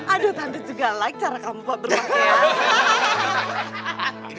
aduh tante juga like cara kamu pak berpakaian